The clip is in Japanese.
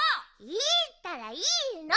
いいったらいいの！